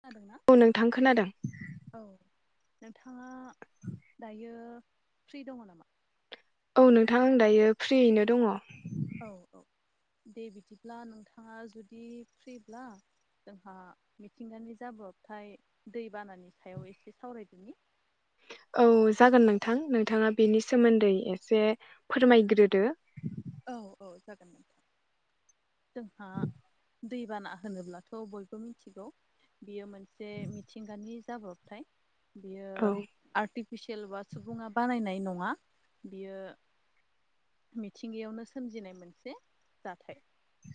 खोनादोंना औ नोंथां खोनादों। औ नोंथाङा दायो फ्रि दङ नामा? औ नोंथां आं दायो फ्रियैनो दङ। औ औ। दे बिदिब्ला नोंथाङा जुदि फ्रिब्ला जोंहा मिथिंगानि जाब्रबथाय दैबानानि सायाव एसे सावरायदोनि। औ जागोन नोंथां, नोंथाङा बेनि सोमोन्दै एसे फोरमायग्रोदो। औ औ जागोन नोंथां। जोंहा दैबाना होनोब्लाथ' बयबो मिथिगौ। बियो मोनसे मिथिंगानि जाब्रबथाय। बेयो औ आर्टिफिसियेल बा सुबुङा बानायनाय नं ङा बियो मि थिंगायावनो सोमजिनाय मोनसे जाथाय।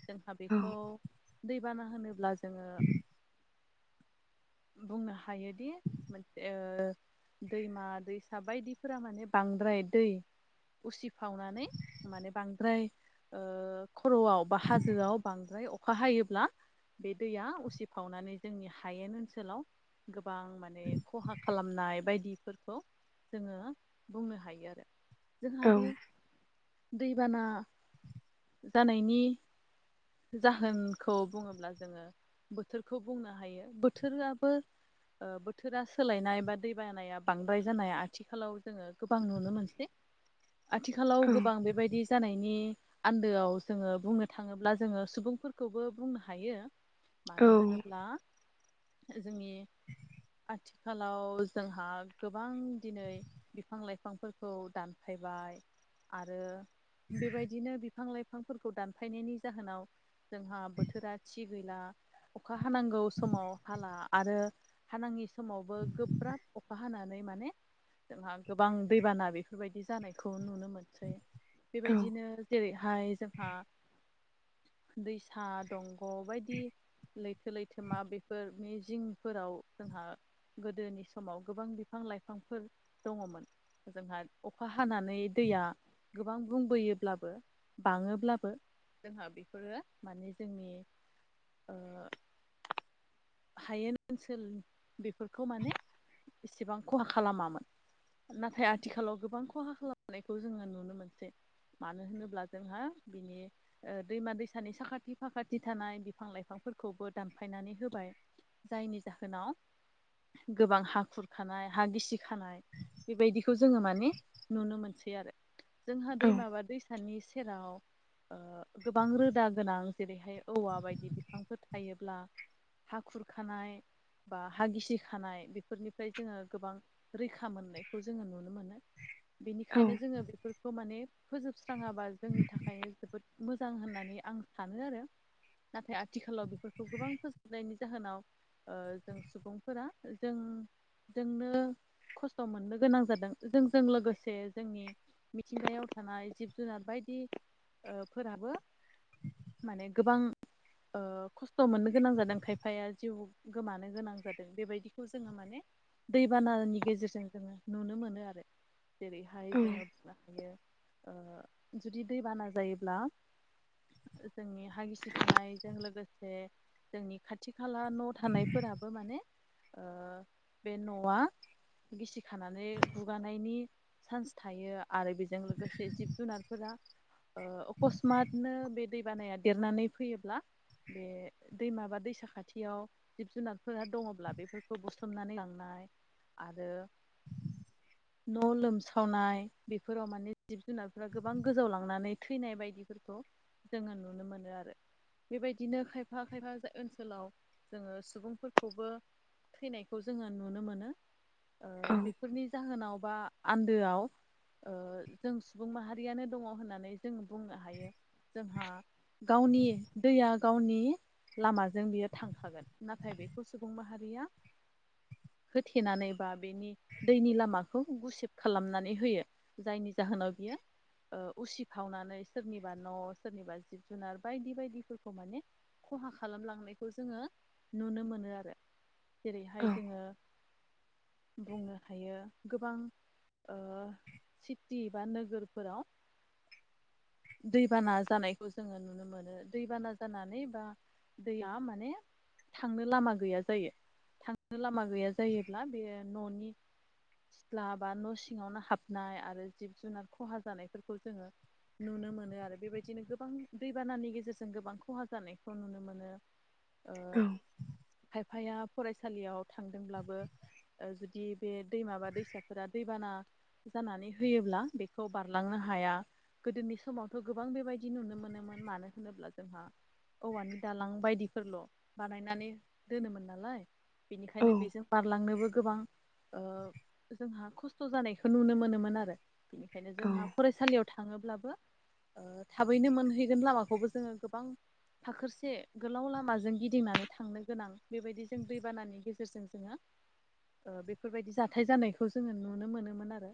जोंहा औ बेखौ दैबाना होनोब्ला जों [inaudible] बुंनो हायोदि मोनसे ओ दैमा दैसा बायदिफोरा माने बांद्राय दै उसिफावनानै माने बांद्राय ओ खर'आव बा हाजोआव बांद्राय अ अखा हायोब्ला, बे दैया उसिफावनानै जोंनि हायेन ओनसोलाव गो बां माने खहा खालामनाय बायदिफोरखौ जोङो बुंनो हायो आरो। जोंहा औ बे दैबाना जानायनि जाहोनखौ बुङोब्ला जोङो बोथोरखौ बुंनो हायो। बो थोराबो ओ बोथोरा सोलायनाय बा दैबानाया बांद्राय जानाय आथिखालाव जोङो गोबां नुनो मोनसै। [inaudible] आथिखालाव औ गोबां बेबायदि जानायनि आन्दोआव जोङो बुंनो थाङोब्ला जोङो सुबुंफोरखौबो बुंनो हायो। औ मानो होनोब्ला जोंनि आथि खालाव जोंहा गोबां दिनै बिफां लाइफांफोरखौ दानफायबाय आरो बेबायदिनो बिफां लाइ फांफोरखौ दानफायनायनि जाहोनाव जोंहा बोथोरा थि गैला। अखा अखा हानांगौ समाव हाला आरो हानाङि समावबो गोब्राब अखा हानानै माने जोंहा गोबां दैबाना बेफोरबायदि जानायखौ नुनो मोनसै। औ बेबायदिनो जेरैहाय जोंहा दैसा दंग' बायदि लैथो लैथोमा बे फोर मि जिंफोराव जोंहा गोदोनि समाव गोबां बिफां लाइफांफोर दङ मोन। जोंहा अखा हानानै दैया गोबां बुंबोयोब्लाबो बाङोब्लाबो जोंहा बेफोरो माने जोंनि ओ [inaudible] हायेन ओनसोल, बेफोरखौ माने इसेबां खहा खालामामोन। नाथाय आथिखालाव गोबां खहा खालामनायखौ जोङो नुनो मोनसै। मानो होनोब्ला जोंहा बिनि दैमा दैसानि साखाथि फाखाथि थानाय बिफां लाइफां फोरखौबो दानफायनानै होबाय। जायनि जाहोनाव गोबां हा खुरखानाय, हा गिसि खानाय बेबायदिखौ जोङो माने नुनो मोनसै आरो जोंहा औ दैमा बा दैसा सानि सेराव ओ गोबां रोदा गोनां जेरैहाय औवा बायदि बिफांफोर थायोब्ला हा खुरखानाय बा हा गिसि खानाय बेफोरनिफ्राय जोङो गोबां रैखा मोननायखौ जोङो नुनो मोनो औ बेनिखायनो जोङो बेफोरखौ माने फोजोबस्राङाबा जोंनि थाखायनो जोबोद मोजां होननानै आं सानो आरो नाथाय आथिखालाव बेफोरखौ गोबां फोजोबनायनि जाहोनाव जों सुबुंफोरा जों जोंनो खस्थ' मोननो गोनां जादों जोंजों लोगोसे जोंनि मिथिंगायाव थानाय जिब जुनार बायदि फोराबो माने गोबां खस्थ' मोननो गोनां जादों खायफाया जिउ गोमानो गोनां जादों बेबायदिखौ जोङो माने दैबानानि गे गेजेरजों जोङो नुनो मोनो आरो जेरैहाय जोङो औ बुंनो हायो ओ जुदि दै बाना जायोब्ला जोंनि हा गिसिखानायजों लोगोसे जोंनि खाथि खाला न' थानायफोराबो माने ओ बे न'आ गिसि खानानै गुगानायनि सान्स थायो आरो बे जों लोगोसे जिब जुनारफोरा ओ अकसमातनो बे दै बानाया देरनानै फैयोब्ला बे दैमाबा दैसाखथियाव जिब जुनारफोरा दङब्ला बेफोरखौ बुसुमनानै लांनाय आरो [inaudible] न' लोमसावनाय बेफोराव माने जिब जुनारफोरा गोबां गोजाव लांनानै थैनाय बायदिफोरखौ जोङो नुनो मोनो आरो बेबायदिनो खायफा खायफा खायफाय ओनसोलाव जोङो सुबुंफोरखौबो थैनायखौ जोङो नुनो मोनो औ बेफोरनि जाहोनाव बा आन्दोआव जों सुबुं माहारियानो दङ होननानै जों बुंनो हायो जोंहा गावनि दैया गावनि लामाजों बियो थांखागोन नाथाय बेखौ सुबुं माहारिया [unintelligible] होथेनानै बा बेनि दैनि लामाखौ गुसेब खालामनानै होयो जायनि जाहोनाव बियो उसिफावनानै सोरनिबा न' सोरनिबा जिब जुनार बायदि बायदिफोरखौ माने खहा खालामलांनायखौ जोङो नुनो मोनो आरो जेरैहाय जोङो बुंनो हायो गोबां ओ सिटि बा नोगोरफोराव दैबाना जानायखौ जोङो नुनो मोनो दैबाना जानानै ओ दैआ माने थांनो लामा गैया जायो थांनो लामा गैया जायोब्ला बे न'नि सिथ्ला बा न' सिङावनो हाबनाय आरो जिब जुनार खहा जानायफोरखौ जोङो नुनो मोनो आरो बेबायदिनो गोबां दैबानानि गेजेरजों गोबां खहा जानाय खो नुनो मोनो ओ खाइभ फाया फरायसालियाव थांदोंब्लाबो जुदि बे दैमाबा दैसाफोरा दैबाना जानानै होयोब्ला बेखौ बारलांनो हाया गोदोनि समावथ' गोबां बेबायदि नुनो मोनोमोन मानो होनोब्ला जोंहा औवानि दालां बायदिफोरल' बानायनानै दोनोमोन नालाय बेनिखायनो बेजों बारलांनोबो गोबां ओ जोंहा खस्थ' जानायखौ नुनो मोनोमोन आरो बिनिखायनो जोंहा फरायसालियाव थाङोब्लाबो थाबैनो मोनहैगोन लामाखौबो जोङो गोबां फाखोरसे गोलाव लामाजों गिदिंनानै थांनो गोनां बेबायदि जों दैबानानि गेजेरजों जोङो [inaudible] बेफोरबायदि जाथाय जानायखौ जोङो नुनो मोनोमोन आरो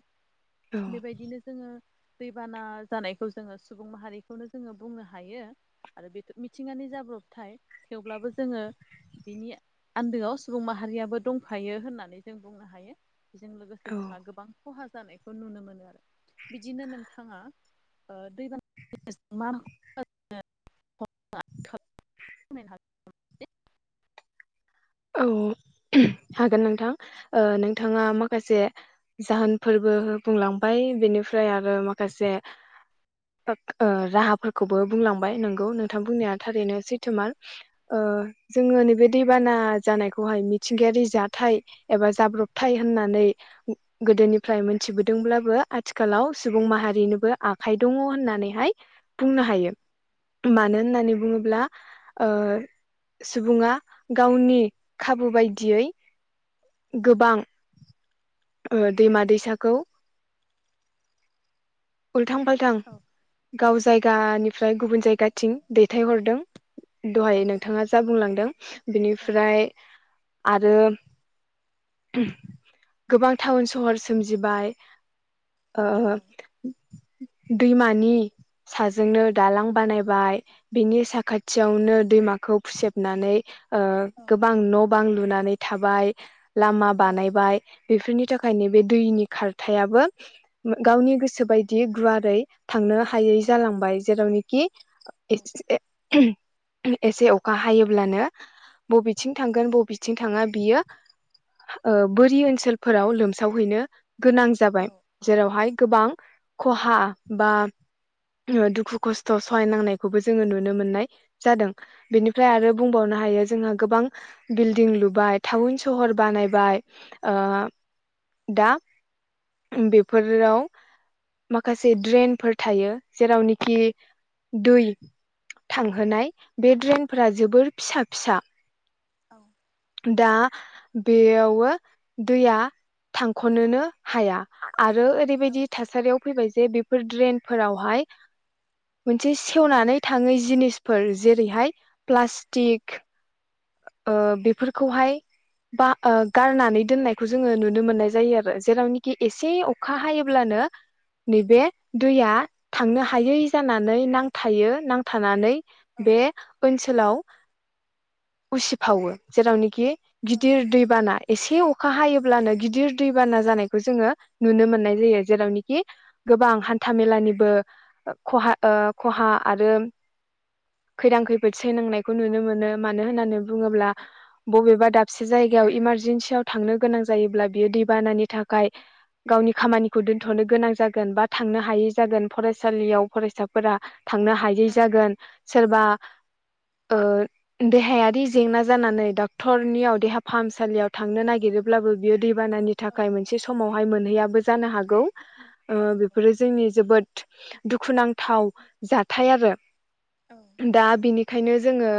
औ बेबायदिनो जोङो दैबाना जानायखौ जोङो सुबुं माहारिखौनो जोङो बुंनो हायो आरो मिथिंगानि जाब्रबथाय थेवब्लाबो जोङो बिनि आन्दोआव सुबुं माहारियाबो दंफायो होननानै जों बुंनो हायो। बेजों लोगोसे औ जोंहा गोबां खहा जानायखौ नुनो मोनो आरो बिदिनो नोंथाङा ओ दैबाना मा [unintelligible] औ हागोन नोंथां ओ नोंथाङा माखासे जाहोन फोरबो बुंलांबाय बेनिफ्राय आरो माखासे ओ राहाफोरखौबो बुंलांबाय नोंगौ नोंथां बुंनाया थारैनो सैथोमार। ओ जोङो नैबे दैबाना औ जानायखौहाय मिथिंगायारि जाथाय एबा जाब्रबथाय होननानै गोदोनिफ्राय मोन मिथिबोदोंब्लाबो आथिखालाव सुबुं माहारिनोबो आखाइ दङ होननानैहाय बुंनो हायो। मानो होननानै बुङोब्ला ओ सुबुङा गावनि खाबु बायदियै गोबां ओ दैमा दैसाखौ उलथां फालथां गाव जायगानिफ्राय गुबुन जायगाथिं दैथायहरदों। दहाय नंगौ नोंथाङा जा बुंलांदों बेनिफ्राय आरो गोबां टाउन सहर सोमजिबाय ओ दैमानि साजोंनो दालां बानायबाय बिनि साखाथियावनो दैमाखौ फुसेबनानै ओ गोबां न' बां लुनानै थाबाय लामा बानायबाय बेफोरनि थाखाय नो बे दैनि खारथायाबो गावनि गोसो गोसोबायदि गुवारै थांनो हायै जालांबाय जेरावनोखि ए एसे अखा हायोब्लानो बबेथिं थांगोन बबेथिं थाङा बियो ओ बोरि ओनसोलफोराव लोमसावहैनो गोनां जाबाय जेरावहाय गोबां खहा बा दुखु खस्थ' सहाय नांनायखौबो जोङो नुनो मोननाय जादों। बेनिफ्राय आरो बुंबावनो हायो जोंहा गोबां बिल्डिं लुबाय टाउन सहर बानायबाय ओ दा बेफोराव माखासे द्रेनफोर थायो जेरावनोखि दै थांहोनाय बे ड्रेनफोरा जोबोर फिसा फिसा। औ दा बेयावबो दैया थांख'नोनो हाया। आरो ओरैबायदि थासा रि फैबाय जे बेफोर ड्रेनफोरावहाय मोनसे सेवनानै थाङै जिनिसफोर जेरैहाय प्लास्टिक ओ बेफोरखौहाय बा गारनानै दोननायखौ जोङो नुनो मोननाय जायो आरो जेरावनोखि एसे अखा हायोब्लानो नो नैबे दैया थांनो हायै जानानै नांथायो नांथानानै बे ओनसोलाव उसिफावो जेरावनोखि गिदिर दै बानाय एसे अखा हायोब्लानो गिदिर दैबाना जानायखौ जोङो नुनो मोननाय जायो जेरावनोखि गोबां हान्था मेलानिबो खहा ओ खहा आरो खैदां खैफोद सैनांनायखौ नुनो मोनो मानो होननानै बुङोब्ला बबेबा दा बसे जायगायाव इमारजेेनसियाव थांनो गोनां जायोब्ला बियो दैबानानि थाखाय गावनि खामानिखौ दोन्थ'नो गोनां जागोन बा थांनो हायै जागोन फरायसालियाव फरायसाफोरा थांनो हायै जागोन सोरबा ओ देहायारि जेंना जानानै डाक्टरनियाव देहा फाहामसालियाव थांनो नागिरोब्लाबो बियो दैबानानि थाखाय मोनसे समावहाय मोनहैयाबो जानो हागौ ओ बेफोरो जोंनि जोबोद दुखुनांथाव जाथाय आरो दा बिनि खायनो जोङो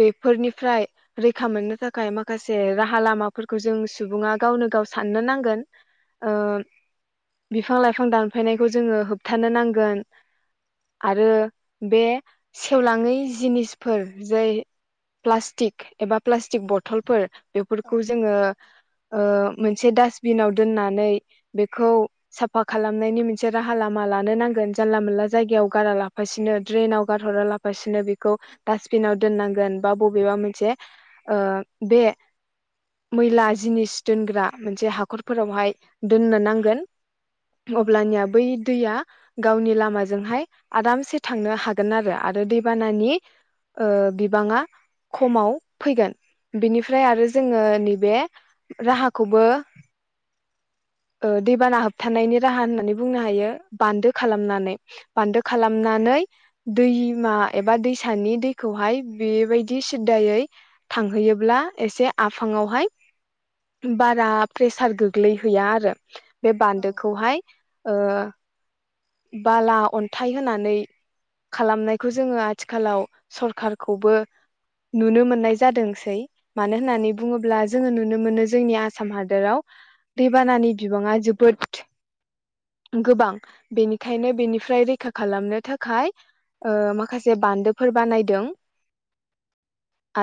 बेफोरनि फ्राय रैखा मोननो थाखाय माखासे राहा लामाफोरखौ जों सुबुङा गावनो गाव साननो नांगोन ओ बिफां लाइफां दानफायनायखौ जोङो होबथानो नांगोन आरो बे सेवलाङै जिनिसफोर जाय प्लास्टिक एबा प्लास्टिक बथलफोर बेफोरखौ जोङो ओ मोनसे डास्टबिनाव दोननानै बेखौ साफा खालामनायनि मोनसे राहा लामा लानो नांगोन जानला मोनला जायगायाव गारा लाफासिनो ड्रेनाव गारहरा लाफासिनो बेखौ डास्टबिनाव दोननांगोन बा बबेबा मोनसे ओ बे मैला जिनिस दोनग्रा मोनसे हाखरफोरावहाय दोननो नांगोन नोंथां अब्लानिया बै दैया गावनि लामाजोंहाय आरामसे थांनो हागोन आरो आरो दैबानानि ओ बिबाङा खमाव फैगोन बिनिफ्राय आरो जोङो बे राहाखौबो ओ दैबाना होबथानायनि राहा होननानै बुंनो हायो बान्दो खालामनानै बान्दो खालामनानै दैमा एबा दैसानि दैखौहाय बेबायदि दि सिद्दायै थांहैयोब्ला एसे आफाङावहाय बारा प्रेसार गोग्लैहैया आरो बे बान्दोखौहाय ओ बाला अन्थाइ होनानै खालामनायखौ जोङो आथिखालाव सरखारखौबो नुनो मोननाय जादोंसै मानो होननानै बुङोब्ला जोङो नु नुनो मोनो जोंनि आसाम हादोराव दैबानानि बिबाङा जोबोद गोबां बेनिखायनो बेनिफ्राय रैखा खालामनो थाखाय ओ माखासे बान्दोफोर बानायदों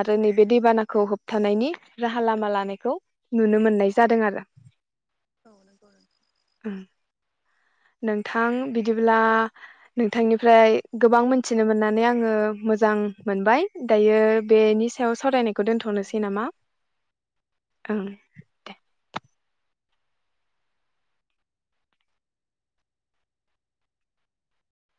आरो नैबे दैबानाखौ होबथानायनि राहा लामा लानायखौ नुनो मोननाय जादों आरो [inaudible] औ नंगौ नोंथां। नों थां बिदिब्ला नोंथांनिफ्राय गोबां मिथिनो मोननानै आङो मोजां मोनबाय दायो बेनि सायाव सरायनायखौ औ दोनथ'नोसै नामा ओं दे